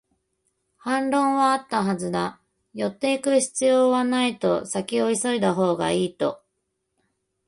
反論はあったはずだ、寄っていく必要はないと、先を急いだほうがいいと